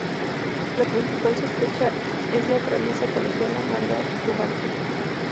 La principal sospechosa es la traviesa colegiala María Duval.